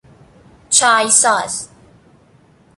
چای ساز